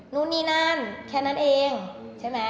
นู่นนี่นั่นแค่นั้นเองใช่ไหม